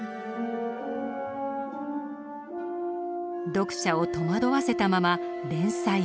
読者を戸惑わせたまま連載打ち切り。